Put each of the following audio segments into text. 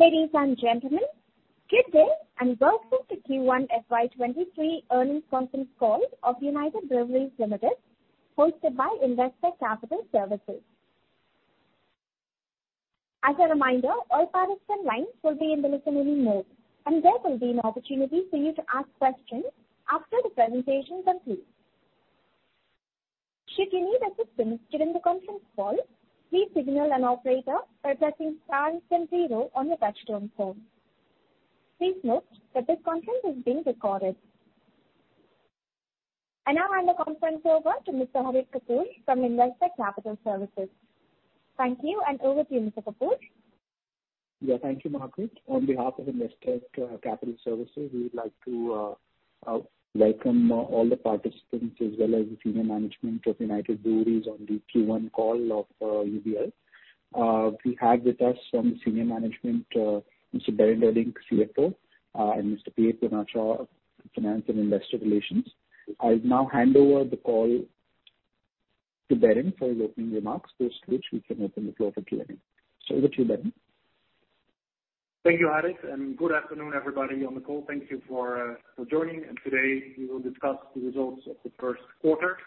Ladies and gentlemen, good day and welcome to Q1 FY 2023 Earnings Conference Call of United Breweries Limited hosted by Investec Capital Services. As a reminder, all participants' lines will be in the listening mode, and there will be an opportunity for you to ask questions after the presentation concludes. Should you need assistance during the conference call, please signal an operator by pressing star and then zero on your touchtone phone. Please note that this conference is being recorded. I now hand the conference over to Mr. Harit Kapoor from Investec Capital Services. Thank you, and over to you, Mr. Kapoor. Yeah, thank you, Margaret. On behalf of Investec Capital Services, we would like to welcome all the participants as well as the senior management of United Breweries on the Q1 call of UBL. We have with us from the senior management, Mr. Berend Odink, CFO, and Mr. P.A. Poonacha, Finance and Investor Relations. I'll now hand over the call to Berend for opening remarks, after which we can open the floor for Q&A. Over to you, Berend. Thank you, Harit, and good afternoon, everybody on the call. Thank you for joining, and today we will discuss the results of the first quarter.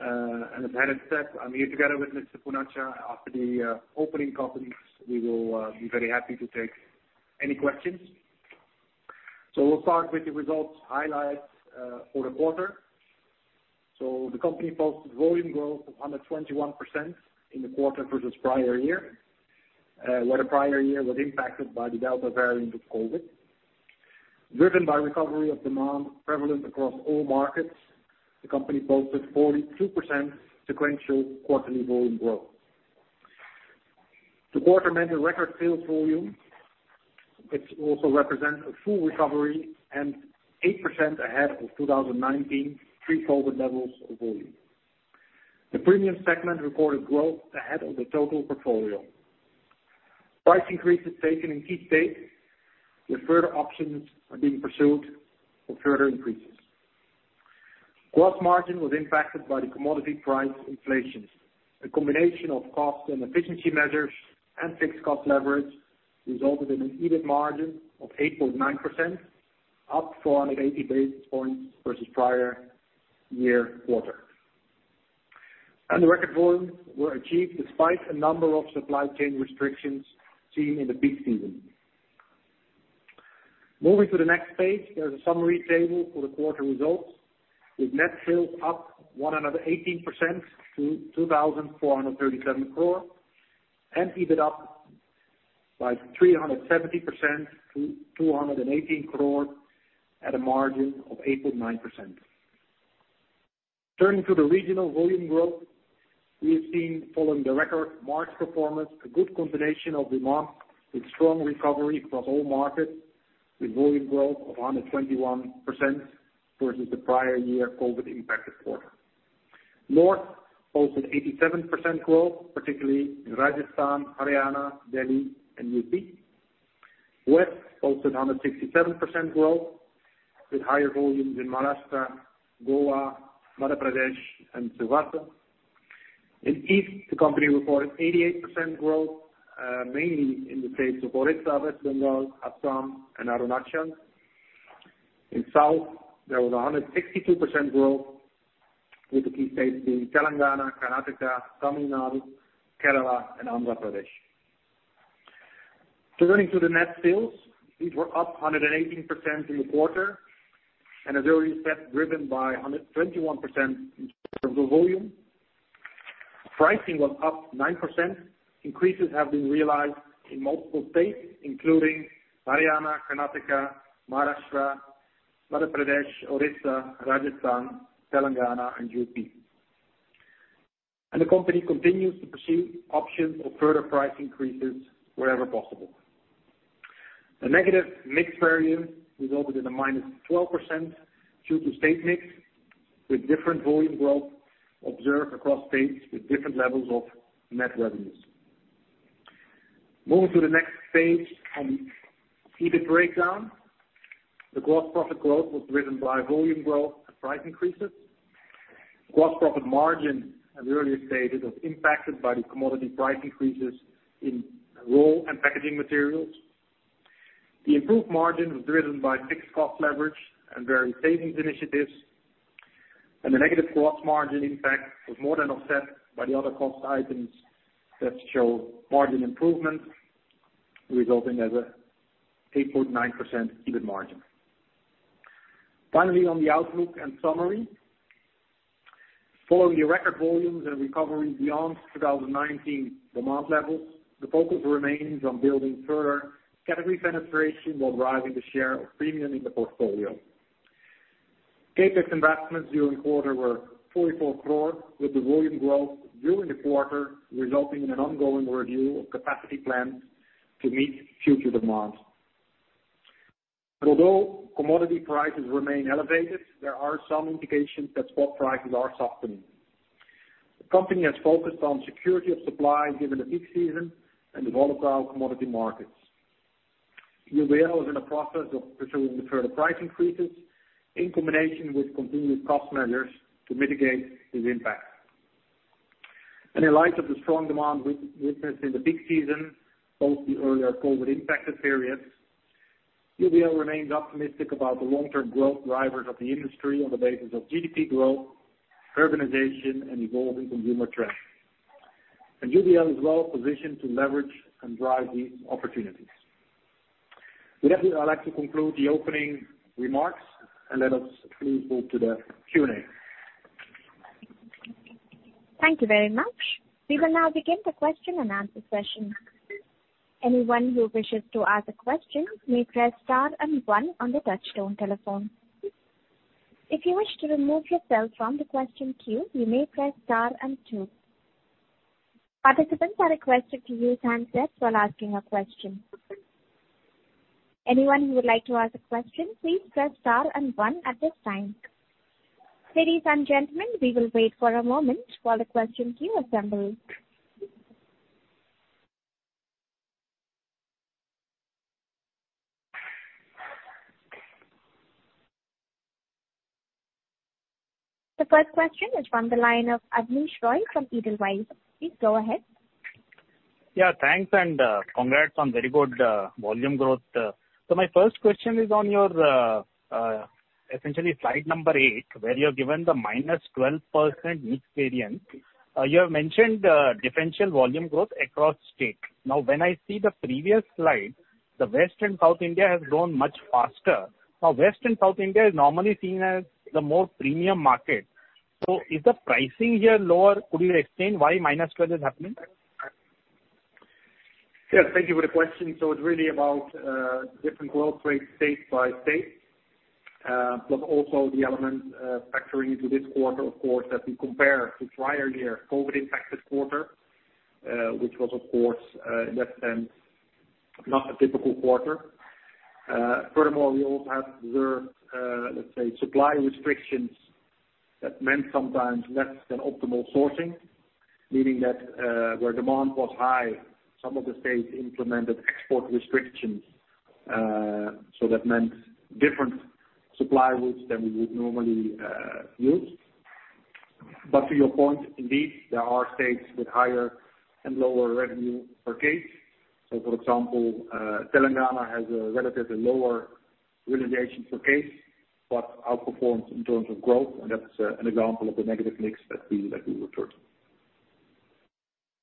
As Harit said, I'm here together with Mr. Poonacha. After the opening comments, we will be very happy to take any questions. We'll start with the results highlights for the quarter. The company posted volume growth of 121% in the quarter versus prior year, where the prior year was impacted by the Delta variant of COVID. Driven by recovery of demand prevalent across all markets, the company posted 42% sequential quarterly volume growth. The quarter made a record sales volume, which also represents a full recovery and 8% ahead of 2019 pre-COVID levels of volume. The premium segment recorded growth ahead of the total portfolio. Price increases taken in key states, with further options are being pursued for further increases. Gross margin was impacted by the commodity price inflation. A combination of cost and efficiency measures and fixed cost leverage resulted in an EBIT margin of 8.9%, up 480 basis points versus prior year quarter. The record volumes were achieved despite a number of supply chain restrictions seen in the peak season. Moving to the next page, there's a summary table for the quarter results, with net sales up 118% to 2,437 crore and EBIT up by 370% to 218 crore at a margin of 8.9%. Turning to the regional volume growth, we have seen following the record March performance, a good combination of demand with strong recovery across all markets with volume growth of 121% versus the prior year COVID impacted quarter. North posted 87% growth, particularly in Rajasthan, Haryana, Delhi, and UP. West posted 167% growth with higher volumes in Maharashtra, Goa, Madhya Pradesh, and Silvassa. In East, the company reported 88% growth, mainly in the case of Orissa, West Bengal, Assam, and Arunachal. In South, there was 162% growth, with the key states being Telangana, Karnataka, Tamil Nadu, Kerala, and Andhra Pradesh. Turning to the net sales, these were up 118% in the quarter and as earlier said, driven by 121% in terms of volume. Pricing was up 9%. Increases have been realized in multiple states, including Haryana, Karnataka, Maharashtra, Madhya Pradesh, Odisha, Rajasthan, Telangana, and UP. The company continues to pursue options of further price increases wherever possible. A negative mix variance resulted in a -12% due to state mix, with different volume growth observed across states with different levels of net revenues. Moving to the next page on the EBIT breakdown. The gross profit growth was driven by volume growth and price increases. Gross profit margin, as earlier stated, was impacted by the commodity price increases in raw and packaging materials. The improved margin was driven by fixed cost leverage and various savings initiatives, and the negative gross margin impact was more than offset by the other cost items that show margin improvement, resulting in an 8.9% EBIT margin. Finally, on the outlook and summary. Following the record volumes and recovery beyond 2019 demand levels, the focus remains on building further category penetration while driving the share of premium in the portfolio. CapEx investments during the quarter were 44 crore, with the volume growth during the quarter resulting in an ongoing review of capacity plans to meet future demands. Although commodity prices remain elevated, there are some indications that spot prices are softening. The company has focused on security of supply given the peak season and the volatile commodity markets. UBL is in the process of pursuing further price increases in combination with continued cost measures to mitigate this impact. In light of the strong demand we experienced in the peak season, post the earlier COVID impacted periods, UBL remains optimistic about the long-term growth drivers of the industry on the basis of GDP growth, urbanization, and evolving consumer trends. UBL is well positioned to leverage and drive these opportunities. With that, I'd like to conclude the opening remarks and let us please move to the Q&A. Thank you very much. We will now begin the question and answer session. Anyone who wishes to ask a question may press star and one on the touchtone telephone. If you wish to remove yourself from the question queue, you may press star and two. Participants are requested to use handsets while asking a question. Anyone who would like to ask a question, please press star and one at this time. Ladies and gentlemen, we will wait for a moment while the question queue assembles. The first question is from the line of Abneesh Roy from Edelweiss. Please go ahead. Yeah, thanks and congrats on very good volume growth. My first question is on your essentially slide number 8, where you have given the -12% mix variance. You have mentioned differential volume growth across state. Now, when I see the previous slide, the West and South India has grown much faster. Now, West and South India is normally seen as the more premium market. Is the pricing here lower? Could you explain why -12% is happening? Yeah, thank you for the question. It's really about different growth rates state by state, plus also the element factoring into this quarter, of course, as we compare to prior year COVID-impacted quarter, which was of course, in that sense, not a typical quarter. Furthermore, we also have observed, let's say, supply restrictions that meant sometimes less than optimal sourcing, meaning that where demand was high, some of the states implemented export restrictions. That meant different supply routes than we would normally use. To your point, indeed, there are states with higher and lower revenue per case. For example, Telangana has a relatively lower realization per case, but outperforms in terms of growth, and that's an example of the negative mix that we referred.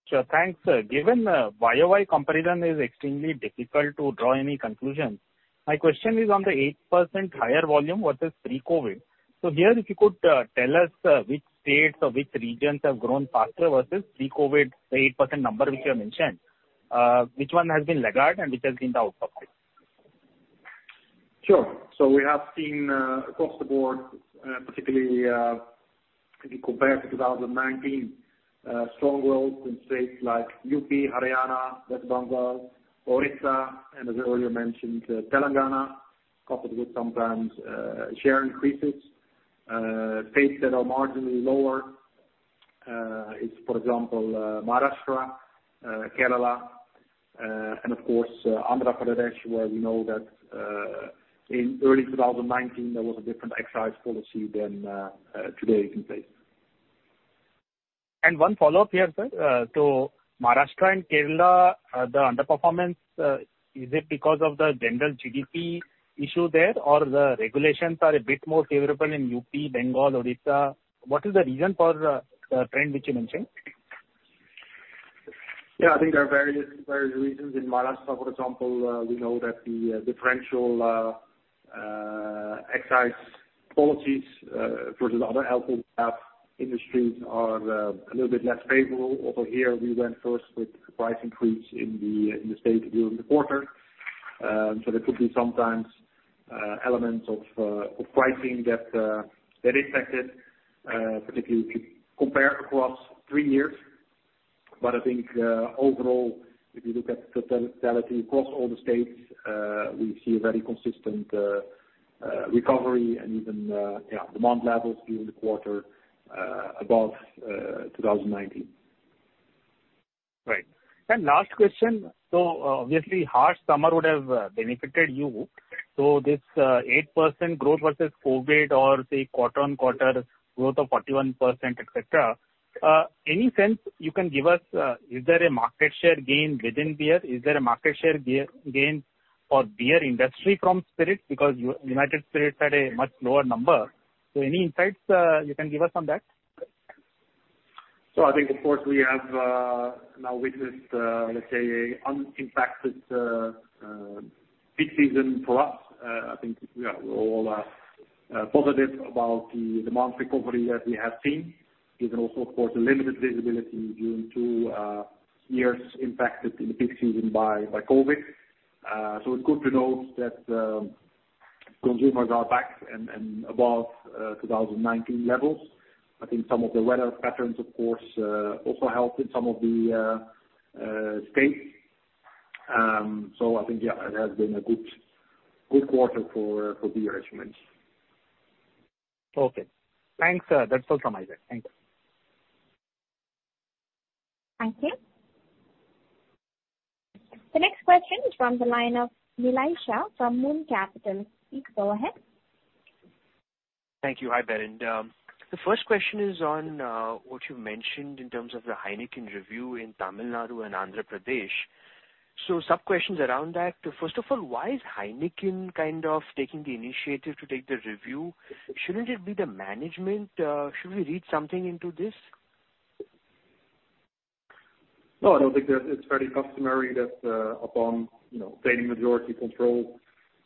Sure. Thanks, sir. Given YoY comparison is extremely difficult to draw any conclusions, my question is on the 8% higher volume versus pre-COVID. Here, if you could tell us which states or which regions have grown faster versus pre-COVID, the 8% number which you have mentioned, which one has been laggard and which has been the outperformer? We have seen across the board, particularly, if you compare to 2019, strong growth in states like UP, Haryana, West Bengal, Odisha, and as I earlier mentioned, Telangana, coupled with sometimes share increases. States that are marginally lower is for example Maharashtra, Kerala, and of course Andhra Pradesh, where we know that in early 2019 there was a different excise policy than today is in place. One follow-up here, sir. So Maharashtra and Kerala, the underperformance, is it because of the general GDP issue there, or the regulations are a bit more favorable in UP, Bengal, Odisha? What is the reason for the trend which you mentioned? Yeah, I think there are various reasons. In Maharashtra, for example, we know that the differential excise policies versus other alcohol craft industries are a little bit less favorable. Also here, we went first with price increase in the state during the quarter. There could be sometimes elements of pricing that impacted, particularly if you compare across three years. I think overall, if you look at totality across all the states, we see a very consistent recovery and even demand levels during the quarter above 2019. Right. Last question. Obviously harsh summer would have benefited you. This 8% growth versus COVID or say quarter-on-quarter growth of 41%, et cetera, any sense you can give us, is there a market share gain within beer? Is there a market share beer gain for beer industry from spirits? Because United Spirits had a much lower number. Any insights you can give us on that? I think of course we have now witnessed let's say an unimpacted peak season for us. I think yeah we all are positive about the demand recovery that we have seen. Given also of course a limited visibility during 2 years impacted in the peak season by COVID. It's good to note that consumers are back and above 2019 levels. I think some of the weather patterns of course also helped in some of the states. I think yeah it has been a good quarter for beer as you mentioned. Okay. Thanks. That's all from my side. Thank you. Thank you. The next question is from the line of Nillai Shah from Moon Capital. Please go ahead. Thank you. Hi, Berend. The first question is on what you mentioned in terms of the Heineken review in Tamil Nadu and Andhra Pradesh. Some questions around that. First of all, why is Heineken kind of taking the initiative to take the review? Shouldn't it be the management? Should we read something into this? No, I don't think that. It's very customary that, upon, you know, obtaining majority control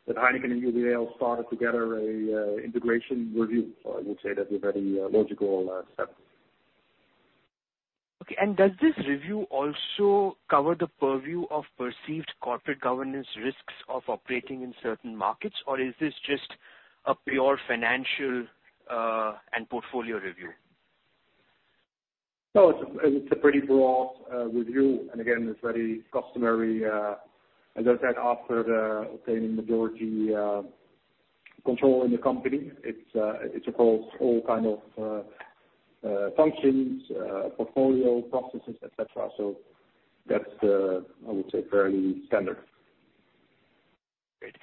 that Heineken and UBL started together a integration review. I would say that's a very, logical, step. Okay. Does this review also cover the purview of perceived corporate governance risks of operating in certain markets, or is this just a pure financial, and portfolio review? No, it's a pretty broad review, and again, it's very customary, as I said, after obtaining majority control in the company. It's across all kind of functions, portfolio, processes, et cetera. So that's, I would say, fairly standard. Great.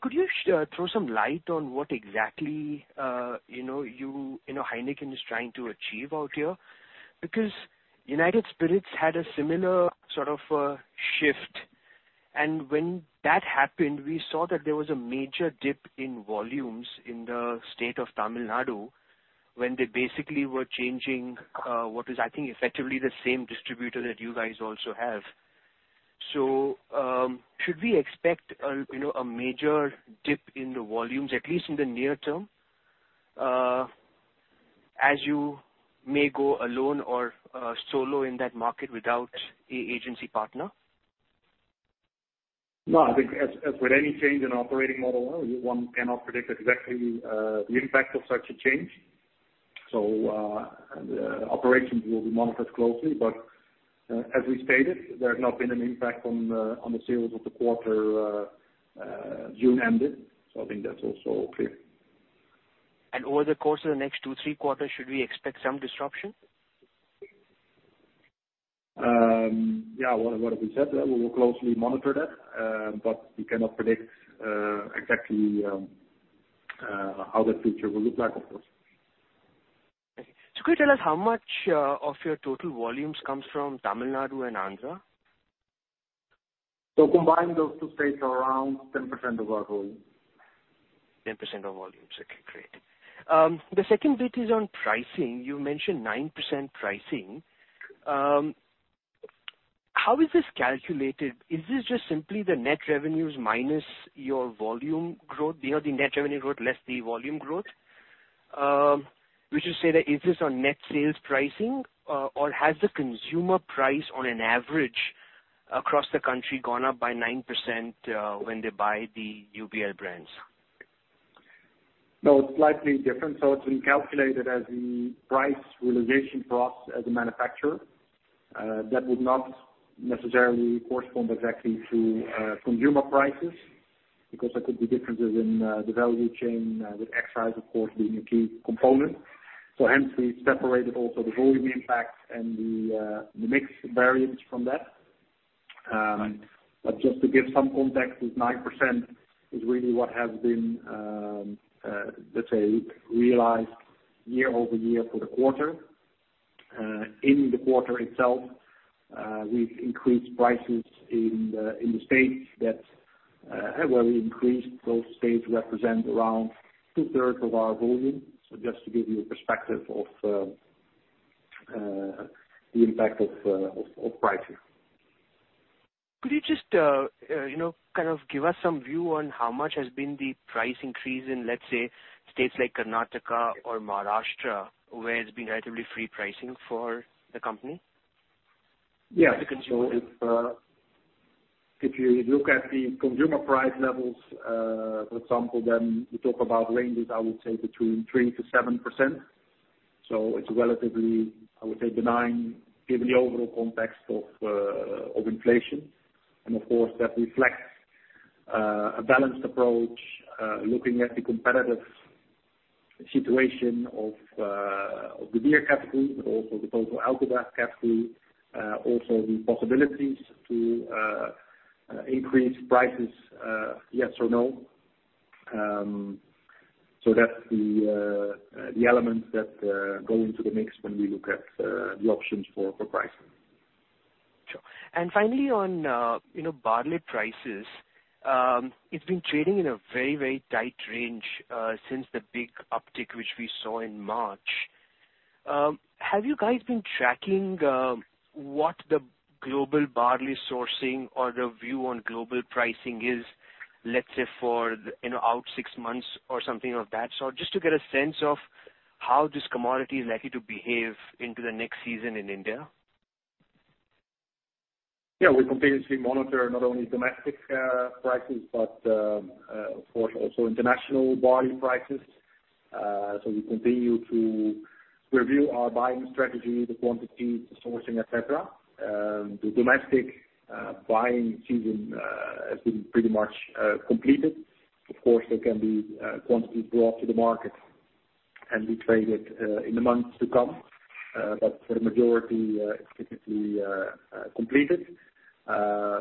Could you throw some light on what exactly you know Heineken is trying to achieve out here? Because United Spirits had a similar sort of shift, and when that happened, we saw that there was a major dip in volumes in the state of Tamil Nadu when they basically were changing what is, I think, effectively the same distributor that you guys also have. So, should we expect a you know, a major dip in the volumes, at least in the near term, as you may go alone or solo in that market without an agency partner? No, I think as with any change in operating model, one cannot predict exactly the impact of such a change. The operations will be monitored closely. As we stated, there has not been an impact on the sales of the quarter, June ended, so I think that's also clear. Over the course of the next 2, 3 quarters, should we expect some disruption? Yeah, what have we said? That we will closely monitor that, but we cannot predict exactly how the future will look like, of course. Could you tell us how much of your total volumes comes from Tamil Nadu and Andhra? Combined, those two states are around 10% of our volume. 10% of volume. Okay, great. The second bit is on pricing. You mentioned 9% pricing. How is this calculated? Is this just simply the net revenues minus your volume growth, you know, the net revenue growth less the volume growth? Which is to say that, is this on net sales pricing, or has the consumer price on an average across the country gone up by 9%, when they buy the UBL brands? No, it's slightly different. It's been calculated as the price realization for us as a manufacturer, that would not necessarily correspond exactly to, consumer prices because there could be differences in, the value chain, with excise, of course, being a key component. Hence we separated also the volume impact and the mix variance from that. Just to give some context, this 9% is really what has been, let's say, realized year-over-year for the quarter. In the quarter itself, we've increased prices in, the states that, well, we increased. Those states represent around two-thirds of our volume. Just to give you a perspective of, the impact of pricing. Could you just, you know, kind of give us some view on how much has been the price increase in, let's say, states like Karnataka or Maharashtra, where it's been relatively free pricing for the company? Yeah. The consumer. If you look at the consumer price levels, for example, then we talk about ranges, I would say between 3%-7%. It's relatively, I would say, benign given the overall context of inflation. Of course, that reflects a balanced approach looking at the competitive situation of the beer category, but also the total alcohol category, also the possibilities to increase prices, yes or no. That's the elements that go into the mix when we look at the options for pricing. Sure. Finally, on, you know, barley prices, it's been trading in a very, very tight range, since the big uptick which we saw in March. Have you guys been tracking, what the global barley sourcing or the view on global pricing is, let's say, for, you know, out six months or something of that sort, just to get a sense of how this commodity is likely to behave into the next season in India? Yeah. We continuously monitor not only domestic prices, but of course also international barley prices. We continue to review our buying strategy, the quantity, the sourcing, et cetera. The domestic buying season has been pretty much completed. Of course, there can be quantity brought to the market and be traded in the months to come, but for the majority, it's typically completed. Yeah,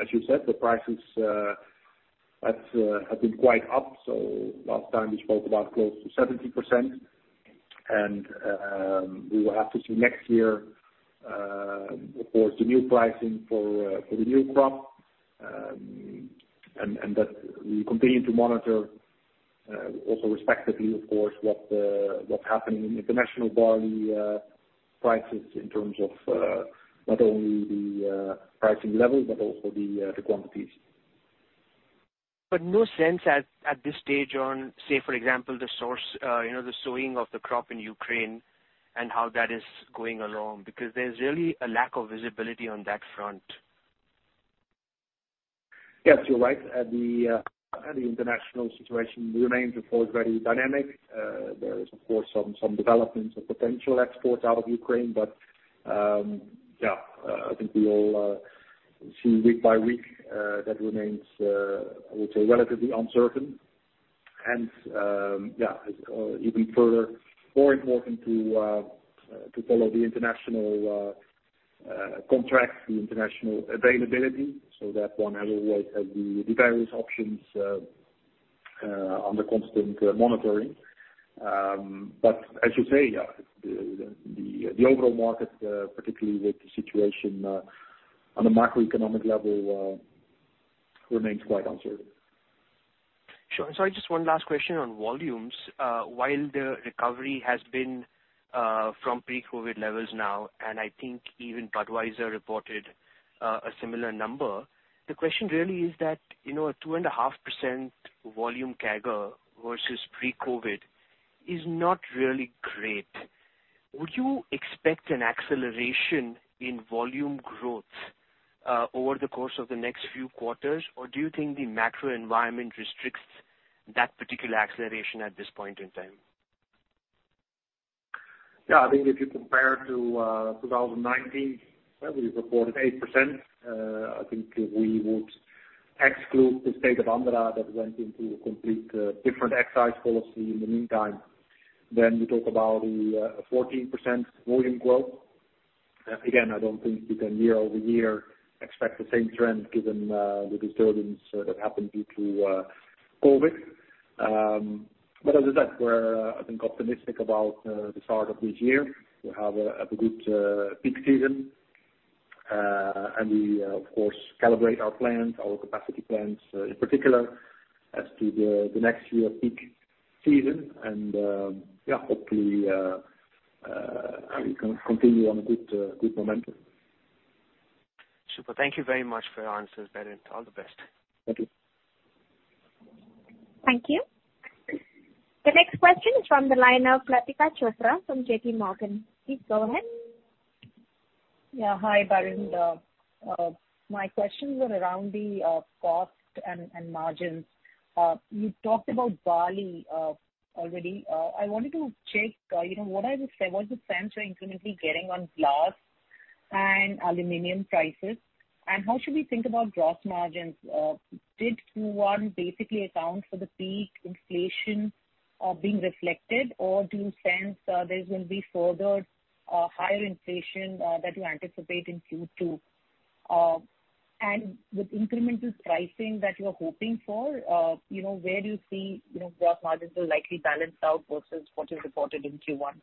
as you said, the prices have been quite up. Last time we spoke about close to 70% and we will have to see next year, of course, the new pricing for the new crop, and that we continue to monitor, also respectively, of course, what's happening in international barley prices in terms of not only the pricing level but also the quantities. No sense at this stage on, say, for example, the sourcing of the crop in Ukraine and how that is going along, because there's really a lack of visibility on that front. Yes, you're right. The international situation remains, of course, very dynamic. There is of course, some developments of potential exports out of Ukraine. Yeah, I think we all see week by week, that remains, I would say, relatively uncertain. Yeah, even further, more important to follow the international contracts, the international availability, so that one has always the various options under constant monitoring. As you say, yeah, the overall market, particularly with the situation on the macroeconomic level, remains quite uncertain. Sure. Sorry, just one last question on volumes. While the recovery has been from pre-COVID levels now, and I think even Anheuser-Busch reported a similar number, the question really is that, you know, a 2.5% volume CAGR versus pre-COVID is not really great. Would you expect an acceleration in volume growth over the course of the next few quarters? Or do you think the macro environment restricts that particular acceleration at this point in time? Yeah, I think if you compare to 2019, where we reported 8%, I think if we would exclude the state of Andhra that went into a complete different excise policy in the meantime, then we talk about a 14% volume growth. Again, I don't think you can year-over-year expect the same trend given the disturbance that happened due to COVID. As I said, we're, I think, optimistic about the start of this year. We have a good peak season. We, of course, calibrate our plans, our capacity plans, in particular as to the next year peak season. Yeah, hopefully, we can continue on a good momentum. Super. Thank you very much for your answers, Berend. All the best. Thank you. Thank you. The next question is from the line of Latika Chopra from J.P. Morgan. Please go ahead. Yeah. Hi, Berend. My questions are around the cost and margins. You talked about barley already. I wanted to check, you know, what's the sense you're incrementally getting on glass and aluminum prices? And how should we think about gross margins? Did Q1 basically account for the peak inflation being reflected? Or do you sense there's gonna be further higher inflation that you anticipate in Q2? And with incremental pricing that you are hoping for, you know, where do you see, you know, gross margins will likely balance out versus what you reported in Q1?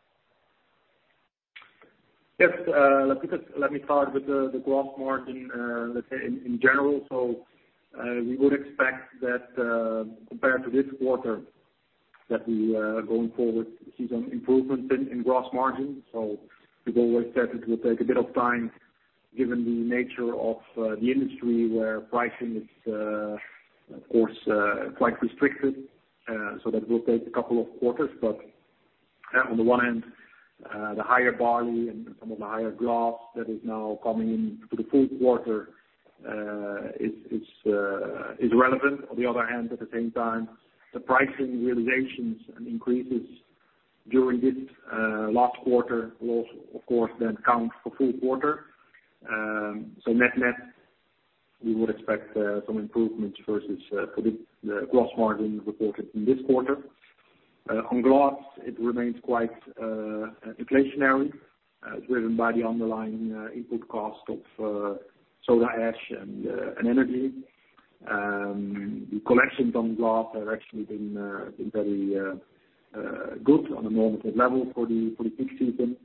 Yes, Latika, let me start with the gross margin, let's say in general. We would expect that, compared to this quarter, that we going forward see some improvement in gross margin. We've always said it will take a bit of time given the nature of the industry where pricing is, of course, quite restricted. That will take a couple of quarters. But on the one hand, the higher barley and some of the higher glass that is now coming in to the full quarter is relevant. On the other hand, at the same time, the pricing realizations and increases during this last quarter will of course then count for full quarter. Net-net, we would expect some improvement versus for the gross margin reported in this quarter. On glass, it remains quite inflationary driven by the underlying input cost of soda ash and energy. The collections on glass have actually been very good on a normal good level for the peak season.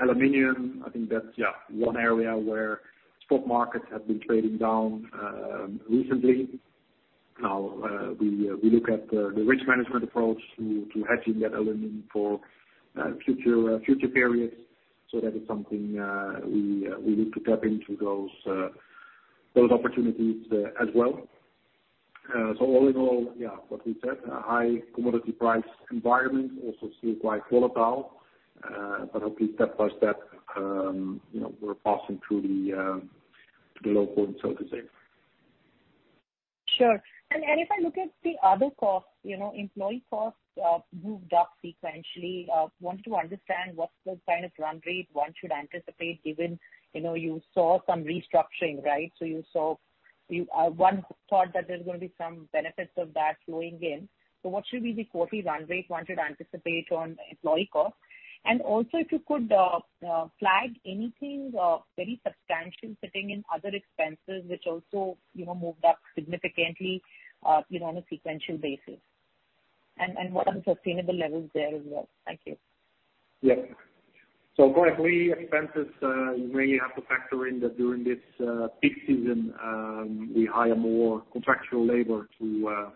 Aluminum, I think that's yeah one area where spot markets have been trading down recently. Now we look at the risk management approach to hedging that aluminum for future periods. That is something we need to tap into those opportunities as well. All in all, yeah, what we said, a high commodity price environment, also still quite volatile. Hopefully step by step, you know, we're passing through the low point, so to say. Sure. If I look at the other costs, you know, employee costs moved up sequentially. Want to understand what's the kind of run rate one should anticipate given, you know, you saw some restructuring, right? You thought that there's gonna be some benefits of that flowing in. What should be the quarterly run rate one should anticipate on employee costs? Also, if you could flag anything very substantial sitting in other expenses which also, you know, moved up significantly, you know, on a sequential basis. What are the sustainable levels there as well? Thank you. Yeah. For employee expenses, you really have to factor in that during this peak season, we hire more contractual labor to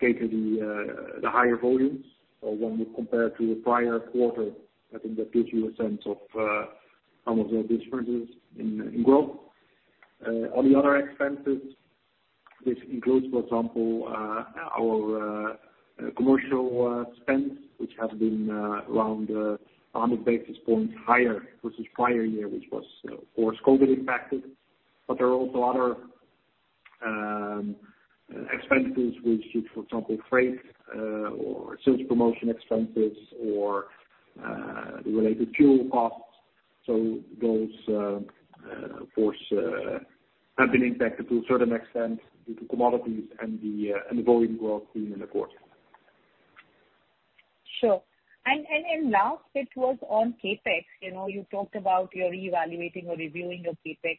cater to the higher volumes. When we compare to the prior quarter, I think that gives you a sense of some of the differences in growth. On the other expenses, this includes, for example, our commercial spends, which have been around 100 basis points higher versus prior year, which was, of course, COVID impacted. There are also other expenses, which is, for example, freight, or sales promotion expenses or the related fuel costs. Those, of course, have been impacted to a certain extent due to commodities and the volume growth seen in the quarter. Sure. Last, it was on CapEx. You know, you talked about you're evaluating or reviewing your CapEx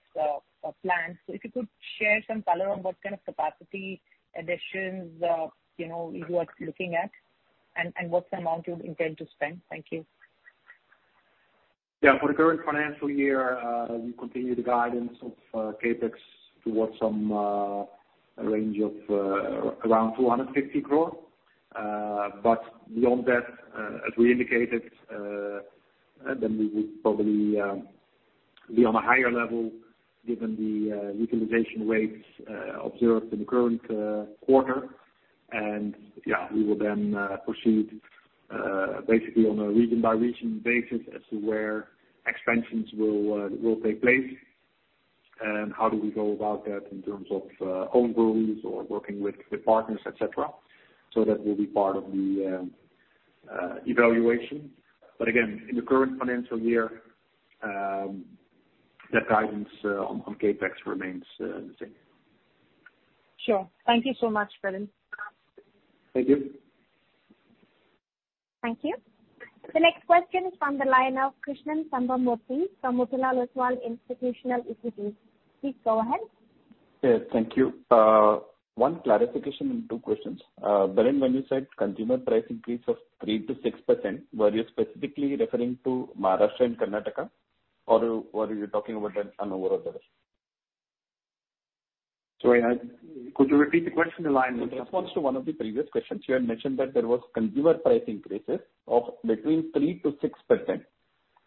plans. If you could share some color on what kind of capacity additions, you know, you are looking at, and what's the amount you intend to spend. Thank you. For the current financial year, we continue the guidance of CapEx towards some range of around 250 crore. Beyond that, as we indicated, then we would probably be on a higher level given the utilization rates observed in the current quarter. We will then proceed basically on a region-by-region basis as to where expansions will take place and how do we go about that in terms of own breweries or working with partners, et cetera. That will be part of the evaluation. Again, in the current financial year, the guidance on CapEx remains the same. Sure. Thank you so much, Berend. Thank you. Thank you. The next question is from the line of Krishnan Sambamoorthy from Motilal Oswal Institutional Equities. Please go ahead. Yes, thank you. One clarification and two questions. Berend, when you said consumer price increase of 3%-6%, were you specifically referring to Maharashtra and Karnataka, or were you talking about an overall basis? Sorry, could you repeat the question? In response to one of the previous questions, you had mentioned that there was consumer price increases of between 3%-6%.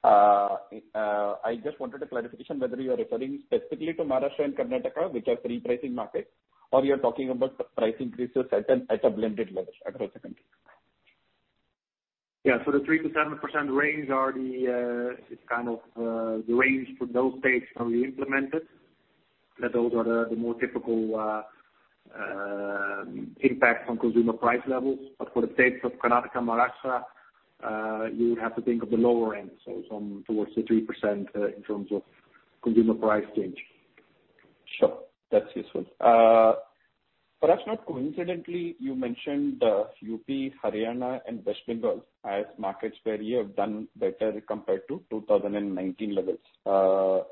I just wanted a clarification whether you are referring specifically to Maharashtra and Karnataka, which are free pricing markets, or you are talking about price increases at a blended level across the country. Yeah. The 3%-7% range is kind of the range for those states where we implemented, that those are the more typical impact on consumer price levels. But for the states of Karnataka, Maharashtra, you would have to think of the lower end, so some towards the 3%, in terms of consumer price change. Sure. That's useful. Perhaps not coincidentally, you mentioned UP, Haryana and West Bengal as markets where you have done better compared to 2019 levels.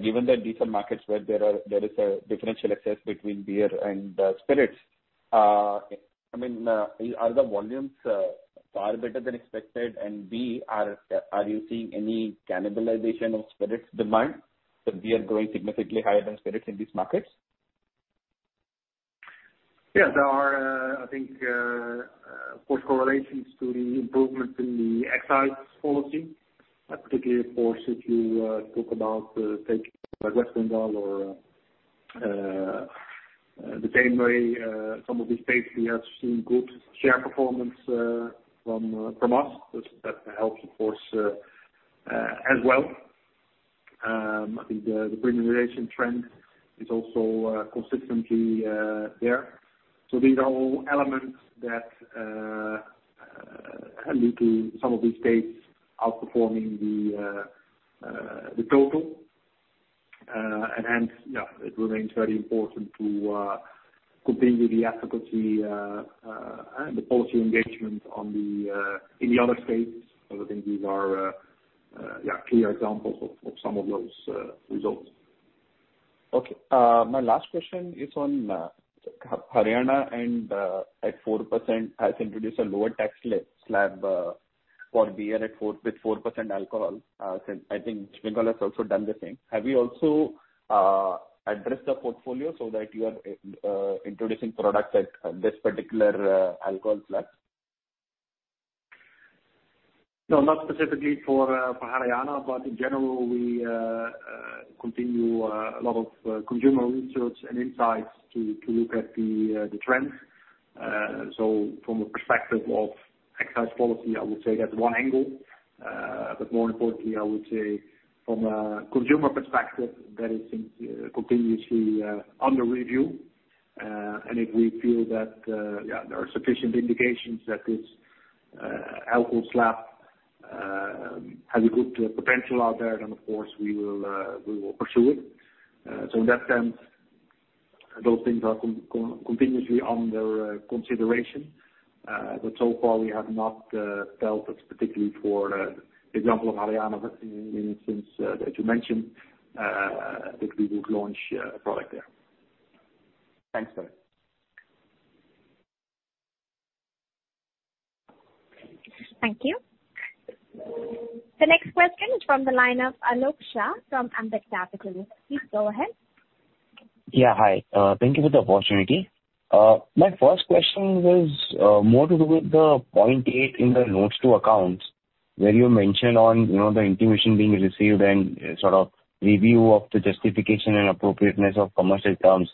Given that these are markets where there is a differential access between beer and spirits, I mean, are the volumes far better than expected? And B, are you seeing any cannibalization of spirits demand, so beer growing significantly higher than spirits in these markets? Yeah. There are, I think, of course, correlations to the improvements in the excise policy, particularly of course, if you talk about states like West Bengal or the same way, some of these states we have seen good share performance from us. That helps, of course, as well. I think the premiumization trend is also consistently there. These are all elements that lead to some of these states outperforming the total. Hence, yeah, it remains very important to continue the advocacy and the policy engagement in the other states. I think these are yeah, clear examples of some of those results. Okay. My last question is on Haryana and at 4% has introduced a lower tax slab for beer with 4% alcohol. Since I think West Bengal has also done the same. Have you also addressed the portfolio so that you are introducing products at this particular alcohol slab? No, not specifically for Haryana. In general, we continue a lot of consumer research and insights to look at the trends. From a perspective of excise policy, I would say that's one angle. More importantly, I would say from a consumer perspective, that is continuously under review. If we feel that there are sufficient indications that this alcohol slab has a good potential out there, then of course we will pursue it. In that sense, those things are continuously under consideration, but so far we have not felt it particularly for the example of Haryana, in this instance that you mentioned, that we would launch a product there. Thanks, sir. Thank you. The next question is from the line of Alok Shah from Ambit Capital. Please go ahead. Yeah, hi. Thank you for the opportunity. My first question was more to do with the point 8 in the notes to accounts where you mentioned on, you know, the intimation being received and sort of review of the justification and appropriateness of commercial terms.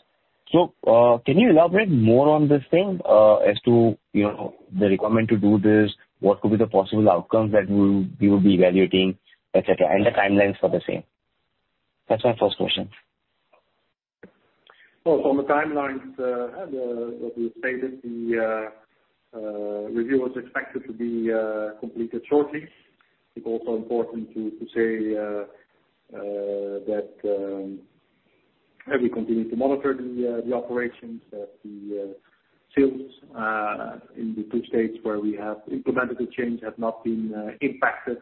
Can you elaborate more on this thing, as to, you know, the requirement to do this? What could be the possible outcomes that we will be evaluating, et cetera, and the timelines for the same? That's my first question. Well, from the timelines, what we stated, the review was expected to be completed shortly. It's also important to say that we continue to monitor the operations that the sales in the two states where we have implemented the change have not been impacted.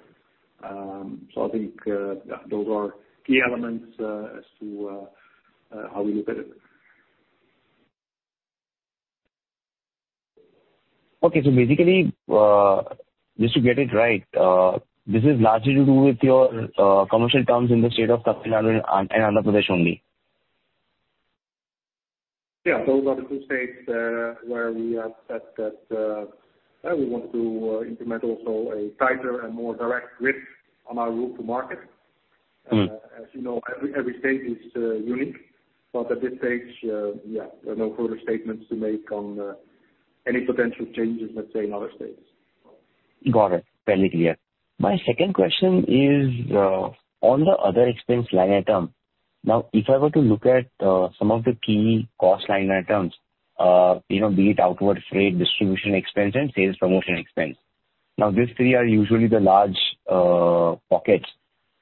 I think those are key elements as to how we look at it. Okay. Basically, just to get it right, this is largely to do with your commercial terms in the state of Tamil Nadu and Andhra Pradesh only. Yeah. Those are the two states where we have said that, yeah, we want to implement also a tighter and more direct grip on our route to market. Mm. As you know, every state is unique, but at this stage, yeah, no further statements to make on any potential changes, let's say, in other states. Got it. Fairly clear. My second question is on the other expense line item. Now, if I were to look at some of the key cost line items, you know, be it outward freight, distribution expense and sales promotion expense. Now, these three are usually the large pockets.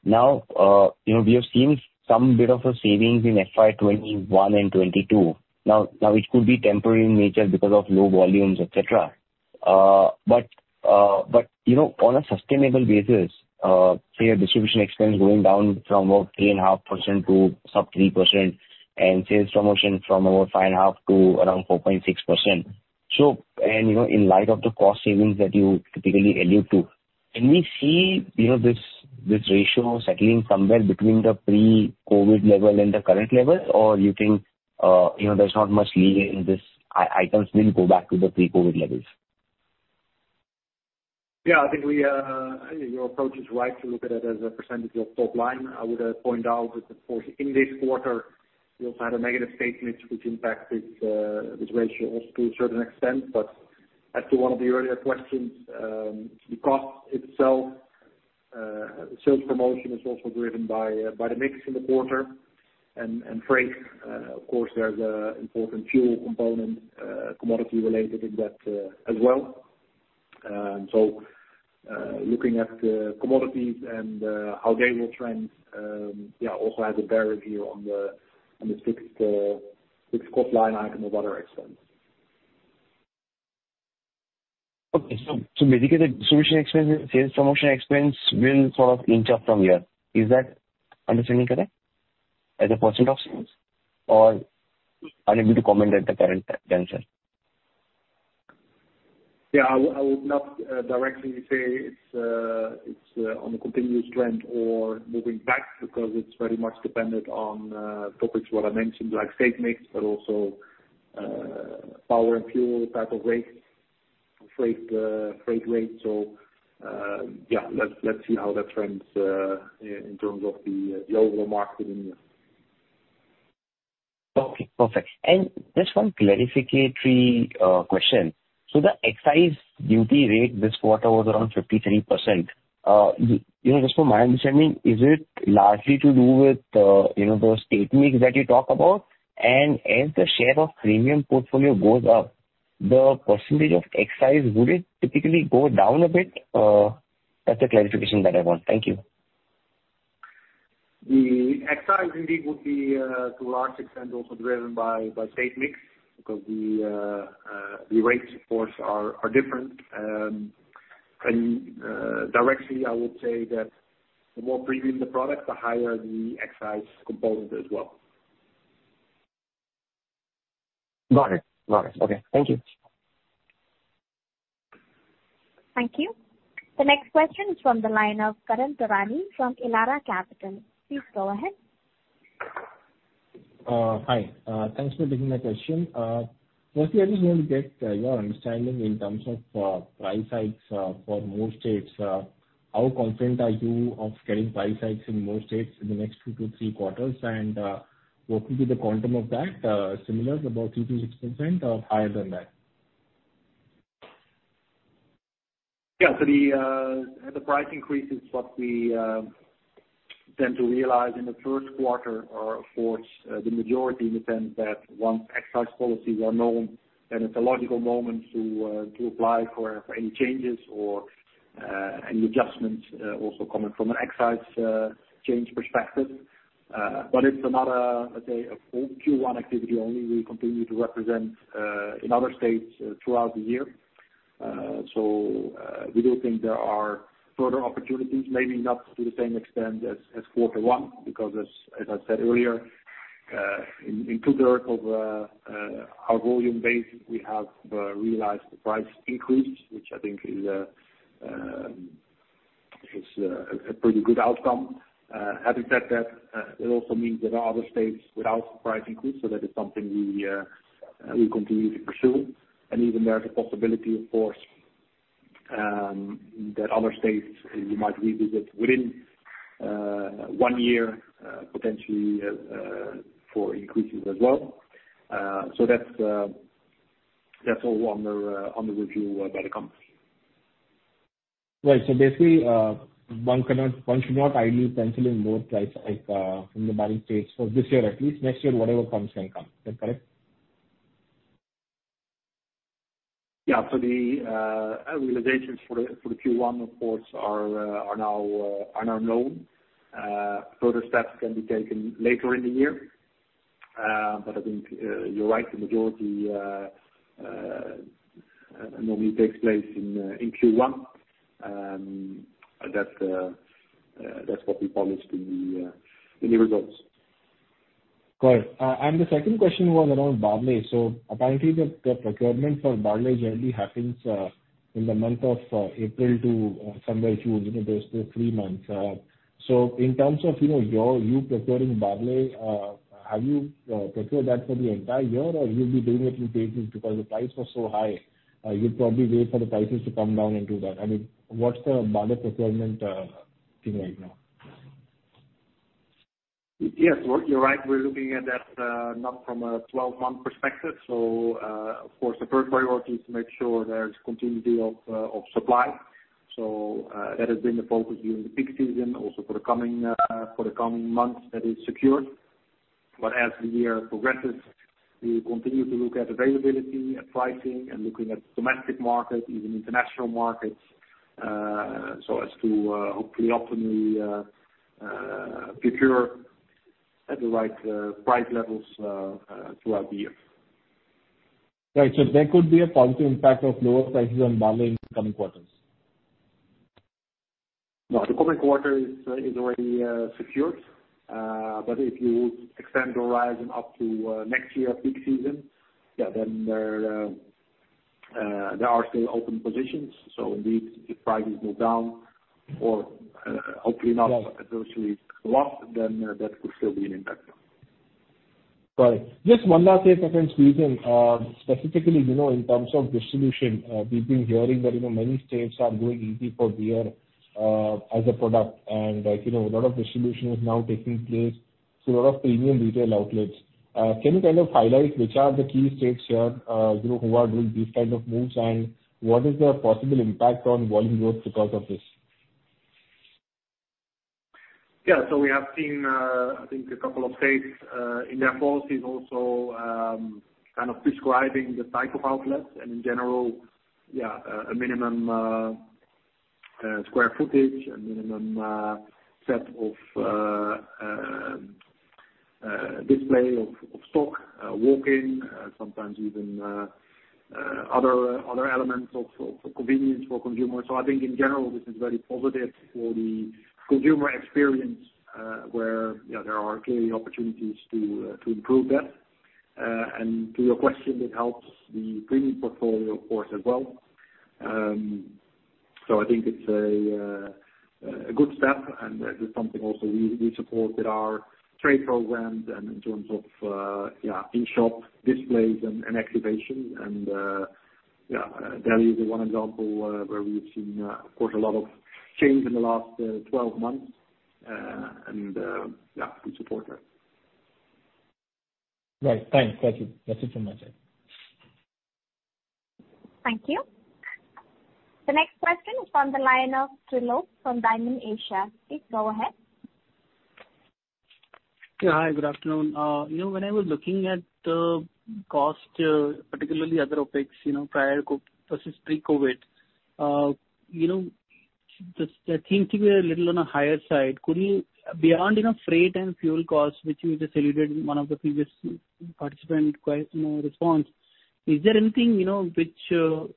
Now, you know, we have seen some bit of a savings in FY 2021 and 2022. Now, it could be temporary in nature because of low volumes, et cetera. But, you know, on a sustainable basis, say a distribution expense going down from about 3.5% to sub-3% and sales promotion from about 5.5% to around 4.6%. So... You know, in light of the cost savings that you typically allude to, can we see, you know, this ratio settling somewhere between the pre-COVID level and the current level? Or you think, you know, there's not much leeway in this, items will go back to the pre-COVID levels? Yeah. I think your approach is right to look at it as a percentage of top line. I would point out that, of course, in this quarter we also had a negative state mix which impacted this ratio also to a certain extent. As to one of the earlier questions, the cost itself, sales promotion is also driven by the mix in the quarter. Freight, of course, there's an important fuel component, commodity-related in that, as well. Looking at the commodities and how they will trend, we also have a bearish view on the fixed cost line item of other expense. Basically the SG&A expense and sales promotion expense will sort of inch up from here. Is that understanding correct as a % of sales, or unable to comment at the current time, sir? Yeah. I would not directly say it's on a continuous trend or moving back because it's very much dependent on topics what I mentioned, like state mix, but also power and fuel type of rates, freight rates. So, yeah, let's see how that trends in terms of the overall market in the year. Okay. Perfect. Just one clarificatory question. The excise duty rate this quarter was around 53%. You know, just from my understanding, is it largely to do with, you know, those state mix that you talk about? As the share of premium portfolio goes up, the percentage of excise, would it typically go down a bit? That's the clarification that I want. Thank you. The excise indeed would be, to a large extent also driven by state mix because the rates, of course, are different. Directly, I would say that the more premium the product, the higher the excise component as well. Got it. Okay. Thank you. Thank you. The next question is from the line of Karan Taurani from Elara Capital. Please go ahead. Hi. Thanks for taking my question. Firstly I just want to get your understanding in terms of price hikes for more states. How confident are you of getting price hikes in more states in the next 2-3 quarters? What will be the quantum of that? Similar to about 3%-6% or higher than that? Yeah, the price increases what we tend to realize in the first quarter are, of course, the majority in the sense that once excise policies are known, then it's a logical moment to apply for any changes or any adjustments also coming from an excise change perspective. It's another, let's say, a full Q1 activity only. We continue to realize in other states throughout the year. We do think there are further opportunities, maybe not to the same extent as quarter one, because as I said earlier, in two-thirds of our volume base, we have realized the price increase, which I think is a pretty good outcome. Having said that, it also means there are other states without price increase, so that is something we continue to pursue. Even there's a possibility, of course, that other states you might revisit within one year, potentially, for increases as well. That's all under review by the company. Right. Basically, one should not ideally pencil in both price hike from the buying states for this year at least. Next year, whatever comes can come. Is that correct? Yeah. The realizations for the Q1, of course, are now known. Further steps can be taken later in the year. I think you're right. The majority normally takes place in Q1. That's what we published in the results. Got it. The second question was around barley. Apparently the procurement for barley generally happens in the month of April to somewhere June. You know, there's those three months. In terms of you know, you procuring barley, have you procured that for the entire year, or you'll be doing it in phases because the price was so high, you'd probably wait for the prices to come down and do that? I mean, what's the barley procurement thing right now? Yes. Well, you're right. We're looking at that, not from a 12-month perspective. Of course, the first priority is to make sure there's continuity of supply. That has been the focus during the peak season also for the coming months that is secured. As the year progresses, we continue to look at availability and pricing and looking at domestic market, even international markets, so as to hopefully optimally procure at the right price levels throughout the year. Right. There could be a positive impact of lower prices on barley in the coming quarters. No, the current quarter is already secured. If you extend the horizon up to next year peak season, yeah, then there are still open positions. Indeed, if prices go down or hopefully not. Right. That could still be an impact. Right. Just one last question in this session, specifically, you know, in terms of distribution, we've been hearing that, you know, many states are going easy on beer, as a product. Like, you know, a lot of distribution is now taking place through a lot of premium retail outlets. Can you kind of highlight which are the key states here, you know, who are doing these kind of moves, and what is the possible impact on volume growth because of this? Yeah. We have seen, I think a couple of states in their policies also kind of prescribing the type of outlets and in general, yeah, a minimum square footage, a minimum set of display of stock, walk-in, sometimes even other elements of convenience for consumers. I think in general this is very positive for the consumer experience, where you know there are clearly opportunities to improve that. To your question, it helps the premium portfolio, of course, as well. I think it's a good step, and that is something also we support with our trade programs and in terms of yeah in-shop displays and activation. Yeah, Delhi is one example where we've seen, of course, a lot of change in the last 12 months. Yeah, we support that. Right. Thanks. That's it from my side. Thank you. The next question is from the line of Trilok from Dymon Asia. Please go ahead. Yeah. Hi, good afternoon. You know, when I was looking at the cost, particularly other OpEx, you know, prior COVID versus pre-COVID, you know, just I think we are a little on a higher side. Beyond, you know, freight and fuel costs, which you just alluded to in one of the previous participant's Q&A response, is there anything, you know, which you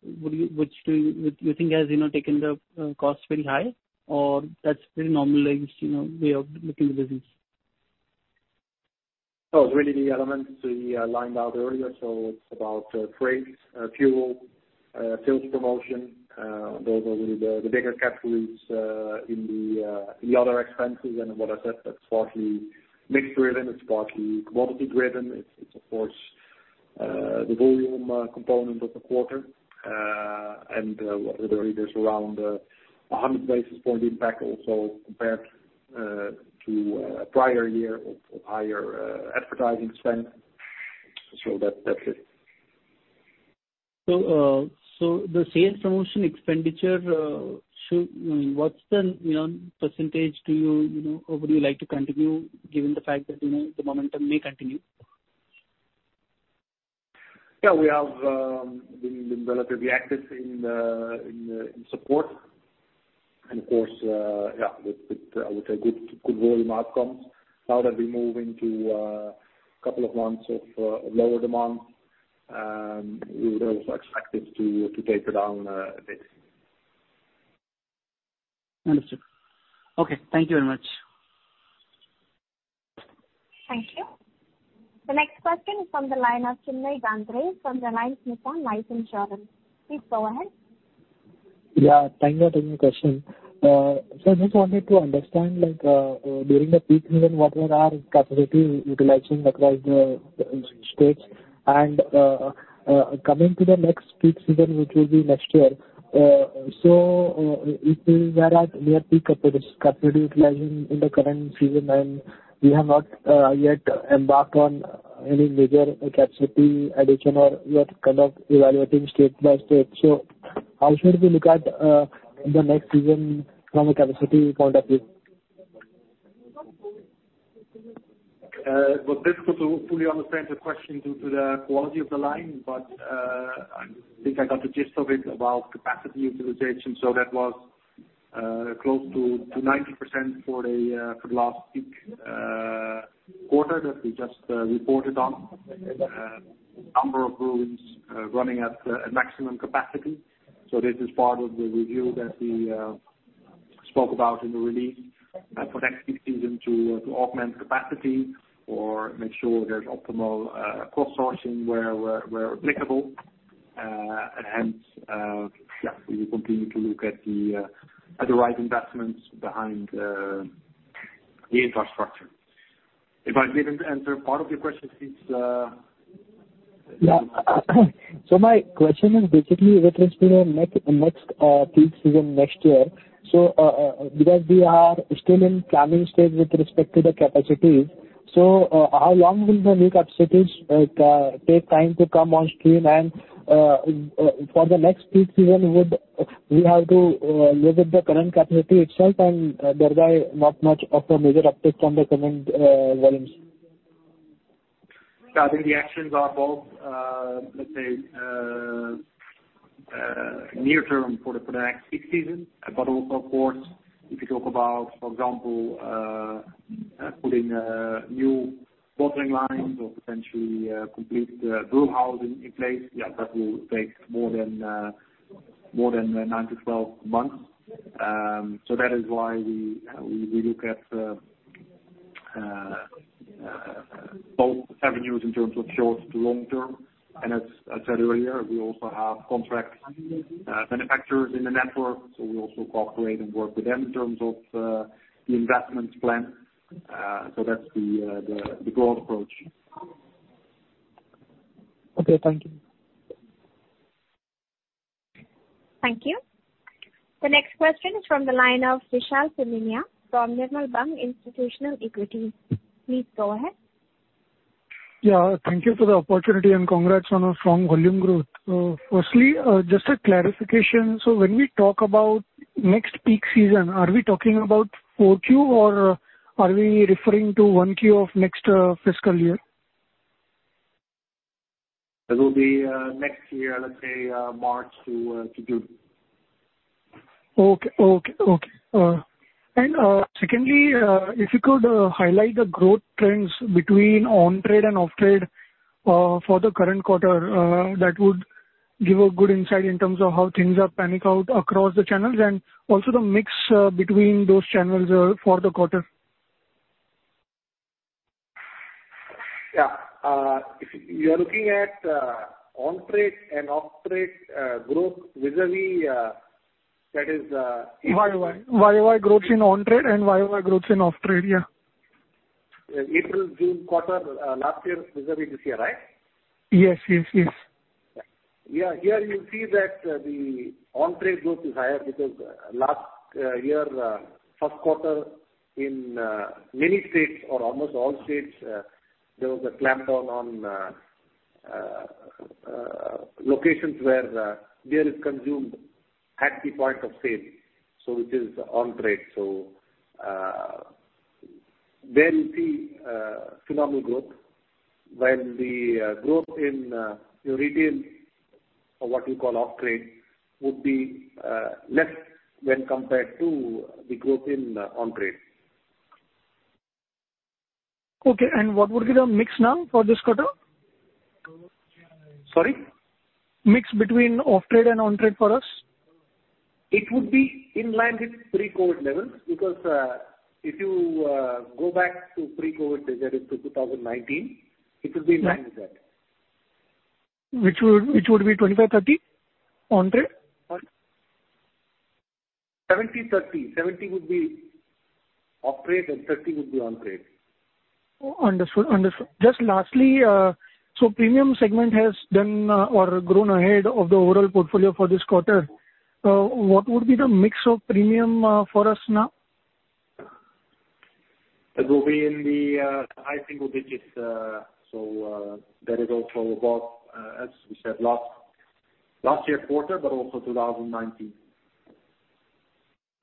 think has, you know, taken the costs very high or that's pretty normalized, you know, way of looking at the business? It's really the elements we laid out earlier. It's about freights, fuel, sales promotion. Those are really the bigger categories in the other expenses. What I said, that's partly mix driven. It's partly commodity driven. It's of course the volume component of the quarter. There is around a 100 basis point impact also compared to prior year of higher advertising spend. That's it. The sales promotion expenditure, what's the, you know, percentage do you know, or would you like to continue given the fact that, you know, the momentum may continue? Yeah, we have been relatively active in support. Of course, with a good volume outturn. Now that we move into a couple of months of lower demand, we would also expect it to taper down a bit. Understood. Okay, thank you very much. Thank you. The next question is from the line of Chinmay Gandre, from Reliance Nippon Life Insurance. Please go ahead. Yeah. Thank you for taking my question. I just wanted to understand, like, during the peak season, what were our capacity utilization across the states? And coming to the next peak season, which will be next year, if we were at near peak capacity utilization in the current season and we have not yet embarked on any major capacity addition or you are kind of evaluating state by state. How should we look at the next season from a capacity point of view? It was difficult to fully understand the question due to the quality of the line, but I think I got the gist of it, about capacity utilization. That was close to 90% for the last peak quarter that we just reported on. Number of breweries running at maximum capacity. This is part of the review that we spoke about in the release for next peak season to augment capacity or make sure there's optimal cost sourcing where applicable. Hence, yeah, we will continue to look at the right investments behind the infrastructure. If I didn't answer part of your question, please. My question is basically with respect to the next peak season next year because we are still in planning stage with respect to the capacity. How long will the new capacities like take time to come on stream and for the next peak season would we have to live with the current capacity itself and thereby not much of a major uptick from the current volumes? Yeah, I think the actions are both, let's say, near term for the next peak season, but also of course, if you talk about, for example, putting new bottling lines or potentially complete brew house in place, that will take more than 9-12 months. That is why we look at both avenues in terms of short to long term. As I said earlier, we also have contract manufacturers in the network, so we also cooperate and work with them in terms of the investment plan. That's the broad approach. Okay, thank you. Thank you. The next question is from the line of Vishal Punmiya from Nirmal Bang Institutional Equities. Please go ahead. Yeah, thank you for the opportunity, and congrats on a strong volume growth. Firstly, just a clarification. When we talk about next peak season, are we talking about 4Q or are we referring to 1Q of next fiscal year? It will be next year, let's say, March to June. Okay. Secondly, if you could highlight the growth trends between on-trade and off-trade for the current quarter, that would give a good insight in terms of how things are panning out across the channels, and also the mix between those channels for the quarter. Yeah. If you are looking at, on-trade and off-trade, growth vis-à-vis, that is.. YOY growth in on-trade and YOY growth in off-trade. Yeah. April-June quarter, last year vis-à-vis this year, right? Yes. Yes. Yes. Yeah. Here you'll see that the on-trade growth is higher because last year first quarter in many states or almost all states there was a clampdown on locations where beer is consumed at the point of sale, so which is on-trade. There you see phenomenal growth. While the growth in your retail or what you call off-trade would be less when compared to the growth in on-trade. Okay. What would be the mix now for this quarter? Sorry? Mix between off-trade and on-trade for us. It would be in line with pre-COVID levels because, if you, go back to pre-COVID vis-à-vis to 2019, it will be in line with that. Which would be 25-30 on-trade? 70/30. 70 would be off-trade and 30 would be on-trade. Oh, understood. Just lastly, premium segment has done, or grown ahead of the overall portfolio for this quarter. What would be the mix of premium, for us now? It will be in the high single digits. That is also about as we said last year quarter, but also 2019.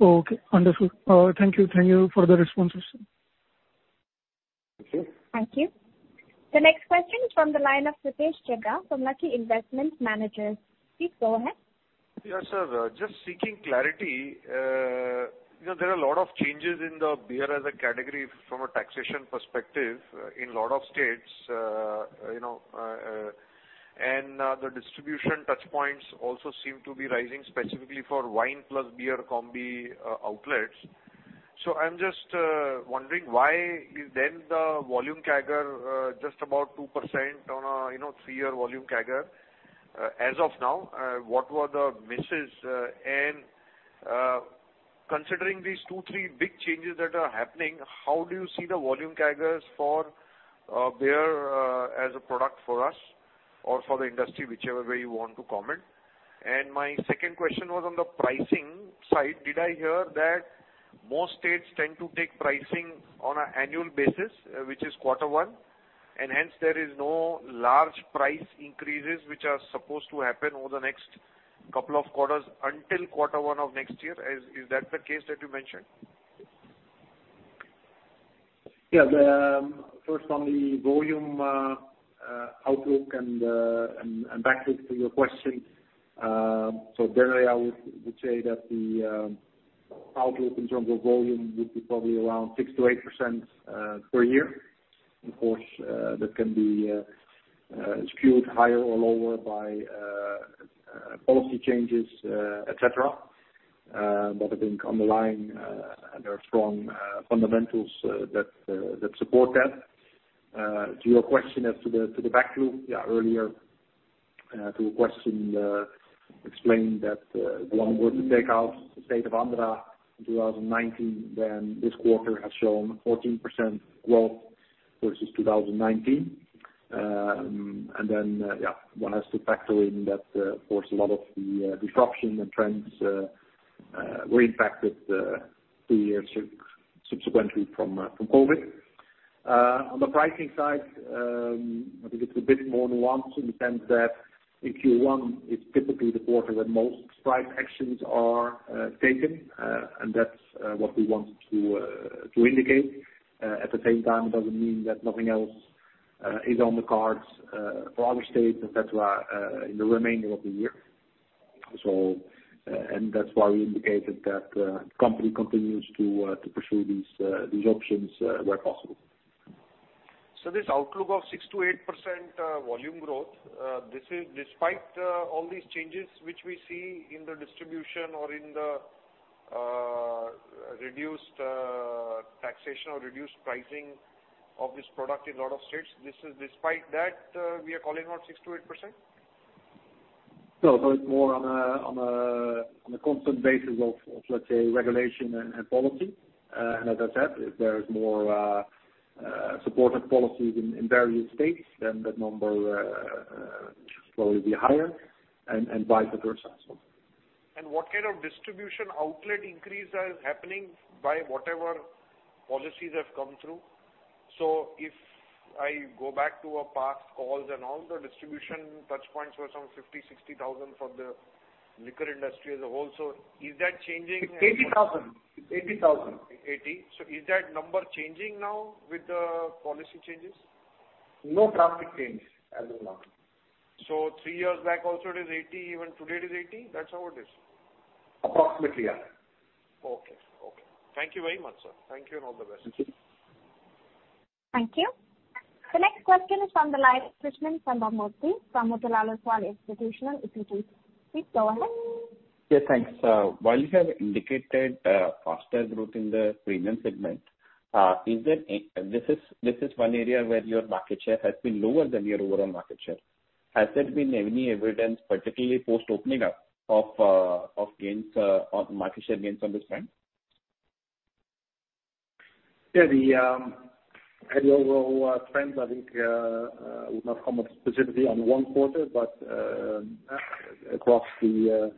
Okay, wonderful. Thank you. Thank you for the responses. Thank you. Thank you. The next question is from the line of Ashish Kacholia from Lucky Investment Managers. Please go ahead. Yes, sir. Just seeking clarity. You know, there are a lot of changes in the beer as a category from a taxation perspective in lot of states. You know, and the distribution touchpoints also seem to be rising specifically for wine plus beer combi outlets. So I'm just wondering why is then the volume CAGR just about 2% on a three-year volume CAGR as of now. What were the misses? And considering these two, three big changes that are happening, how do you see the volume CAGRs for beer as a product for us or for the industry, whichever way you want to comment. And my second question was on the pricing side. Did I hear that most states tend to take pricing on an annual basis, which is quarter one, and hence there is no large price increases which are supposed to happen over the next couple of quarters until quarter one of next year. Is that the case that you mentioned? Yeah. The first on the volume outlook and back to your question, so generally I would say that the outlook in terms of volume would be probably around 6%-8% per year. Of course, that can be skewed higher or lower by policy changes, et cetera. I think underlying there are strong fundamentals that support that. To your question as to the backlog. Yeah, earlier to a question explained that the one with the state of Andhra taken out in 2019, then this quarter has shown 14% growth versus 2019. One has to factor in that, of course, a lot of the disruption and trends were impacted three years subsequently from COVID. On the pricing side, I think it's a bit more nuanced in the sense that in Q1 it's typically the quarter that most price actions are taken, and that's what we want to indicate. At the same time, it doesn't mean that nothing else is on the cards for other states, et cetera, in the remainder of the year. That's why we indicated that company continues to pursue these options where possible. this outlook of 6%-8% volume growth, this is despite all these changes which we see in the distribution or in the reduced taxation or reduced pricing of this product in a lot of states, this is despite that, we are calling out 6%-8%? No, it's more on a constant basis of, let's say, regulation and policy. As I said, if there is more supportive policies in various states, then that number should probably be higher and vice versa. What kind of distribution outlet increase are happening by whatever policies have come through? If I go back to our past calls and all, the distribution touchpoints were some 50-60,000 for the liquor industry as a whole. Is that changing? 80,000. 80. Is that number changing now with the policy changes? No traffic change as of now. 3 years back also it is 80, even today it is 80. That's how it is. Approximately, yeah. Okay. Thank you very much, sir. Thank you and all the best. Thank you. Thank you. The next question is from the line of Krishnan Sambamoorthy from Motilal Oswal Institutional Equities. If you please. Please go ahead. Yeah, thanks. While you have indicated faster growth in the premium segment, this is one area where your market share has been lower than your overall market share. Has there been any evidence, particularly post opening up of gains on market share gains on this front? Yeah. The overall trends, I think, would not comment specifically on one quarter, but across the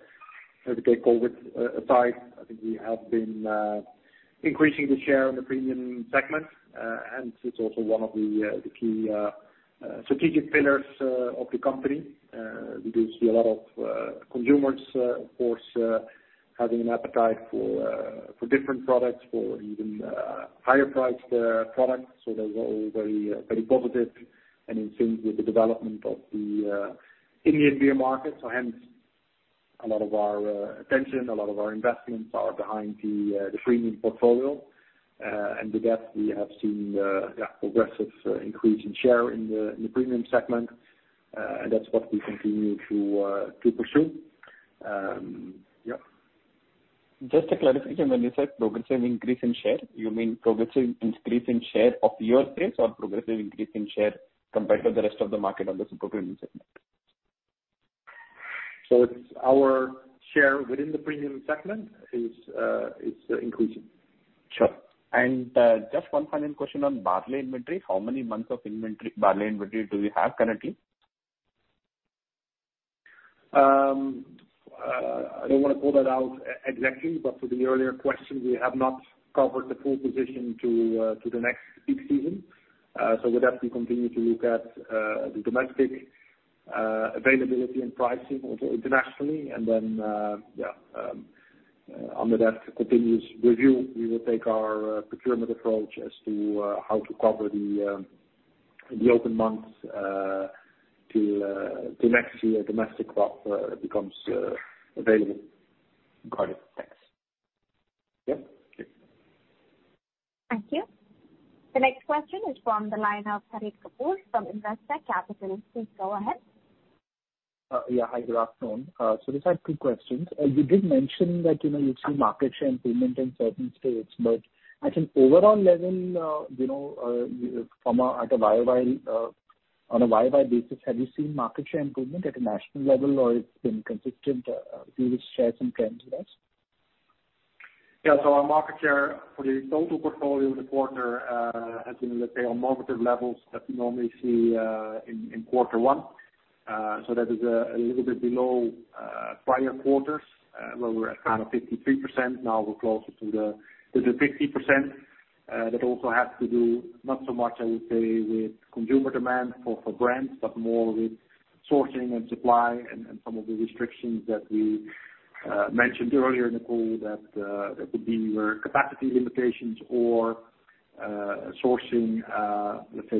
COVID aside, I think we have been increasing the share in the premium segment. It's also one of the key strategic pillars of the company. We do see a lot of consumers, of course, having an appetite for different products, for even higher priced products. Those are all very positive and in sync with the development of the Indian beer market. Hence a lot of our attention, a lot of our investments are behind the premium portfolio. With that we have seen progressive increase in share in the premium segment. That's what we continue to pursue. Yeah. Just a clarification. When you said progressive increase in share, you mean progressive increase in share of your space or progressive increase in share compared to the rest of the market on this premium segment? It's our share within the premium segment is increasing. Sure. Just one final question on barley inventory. How many months of barley inventory do we have currently? I don't wanna call that out exactly, but for the earlier question, we have not covered the full position to the next peak season. With that, we continue to look at the domestic availability and pricing internationally. Under that continuous review, we will take our procurement approach as to how to cover the open months till next year domestic buffer becomes available. Got it. Thanks. Yeah. Thank you. The next question is from the line of Harit Kapoor from Investec Capital. Please go ahead. Yeah. Hi, good afternoon. Just had two questions. You did mention that, you know, you've seen market share improvement in certain states, but at an overall level, you know, on a year-by-year basis, have you seen market share improvement at a national level, or it's been consistent? If you would share some trends with us. Yeah. Our market share for the total portfolio in the quarter has been, let's say, on marketed levels that we normally see in quarter one. That is a little bit below prior quarters where we're at kind of 53%, now we're closer to the 50%. That also has to do, not so much, I would say, with consumer demand for brands, but more with sourcing and supply and some of the restrictions that we mentioned earlier in the call that that would be where capacity limitations or sourcing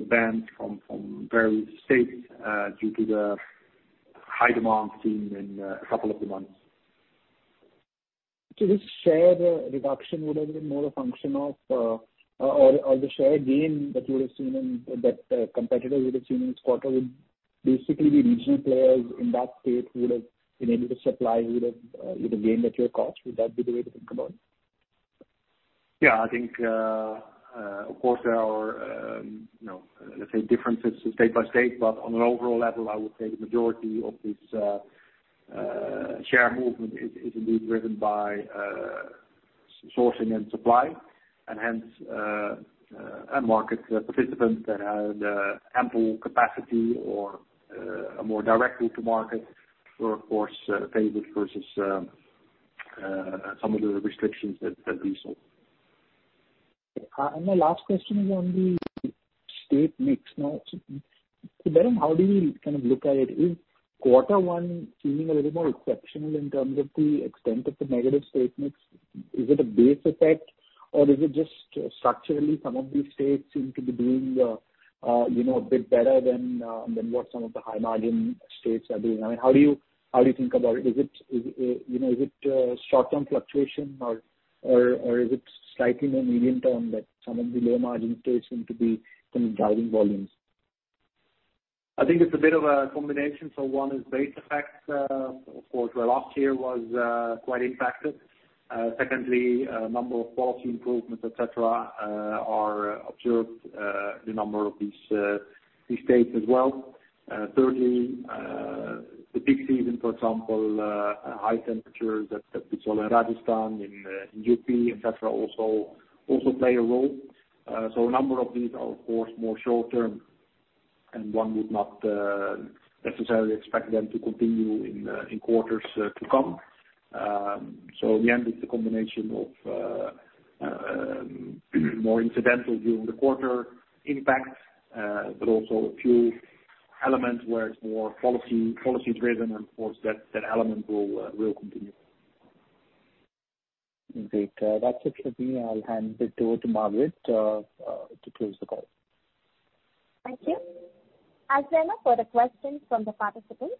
bans from various states due to the high demand seen in a couple of the months. This share reduction would've been more a function of or the share gain that you would have seen that competitors would have seen in this quarter would basically be regional players in that state who would have been able to supply either gained at your cost. Would that be the way to think about it? Yeah. I think, of course there are, you know, let's say differences state by state, but on an overall level, I would say the majority of this share movement is indeed driven by sourcing and supply, and hence, a market participant that had ample capacity or a more direct route to market were, of course, favored versus some of the restrictions that we saw. My last question is on the state mix now. Berend, how do you kind of look at it? Is quarter one seeming a little more exceptional in terms of the extent of the negative state mix? Is it a base effect, or is it just structurally some of these states seem to be doing, you know, a bit better than what some of the high-margin states are doing? I mean, how do you think about it? Is it, you know, short-term fluctuation or is it slightly more medium-term that some of the low-margin states seem to be kind of driving volumes? I think it's a bit of a combination. One is base effects, of course, where last year was quite impacted. Secondly, a number of quality improvements, et cetera, are observed in a number of these states as well. Thirdly, the peak season, for example, high temperatures that we saw in Rajasthan, in UP, et cetera, also play a role. A number of these are of course more short-term, and one would not necessarily expect them to continue in quarters to come. In the end it's a combination of more incidental during the quarter impact, but also a few elements where it's more policy driven and of course, that element will continue. Great. That's it from me. I'll hand it over to Margaret, to close the call. Thank you. As there are no further questions from the participants,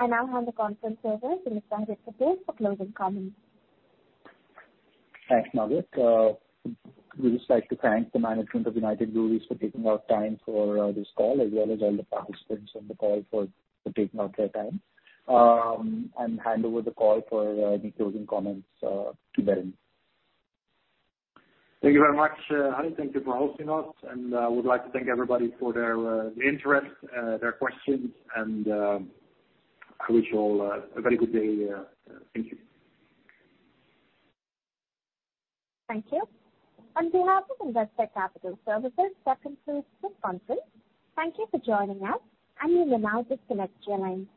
I now hand the conference over to Mr. Harit Kapoor for closing comments. Thanks, Margaret. We'd just like to thank the management of United Breweries for taking out time for this call, as well as all the participants on the call for taking out their time, and hand over the call for any closing comments to Berend. Thank you very much, Harit. Thank you for hosting us, and would like to thank everybody for their interest, their questions and I wish you all a very good day. Thank you. Thank you. On behalf of Investec Capital Services, that concludes this conference. Thank you for joining us, and you may now disconnect your lines.